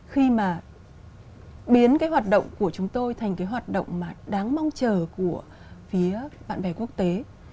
khi mà biến cái hoạt động của chúng tôi thành cái hoạt động mà đáng mong chờ của phía bạn bè quốc tế